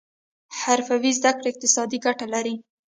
حرفوي زده کړې اقتصاد ته ګټه لري